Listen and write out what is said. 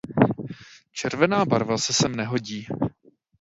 Červená barva se sem nehodí.